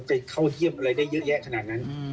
จะเข้าเยี่ยมอะไรได้เยอะแยะขนาดนั้น